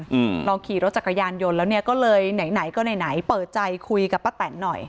อืมลองขี่รถจักรยานยนต์แล้วเนี้ยก็เลยไหนไหนก็ไหนไหนเปิดใจคุยกับป้าแตนหน่อย